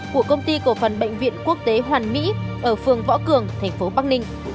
của công ty cổ phần bệnh viện quốc tế hoàn mỹ ở phường võ cường thành phố bắc ninh